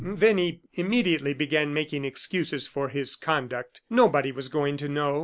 Then he immediately began making excuses for his conduct. Nobody was going to know.